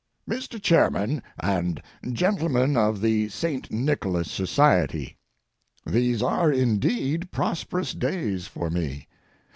MR. CHAIRMAN AND GENTLEMEN OF THE ST. NICHOLAS SOCIETY,—These are, indeed, prosperous days for me.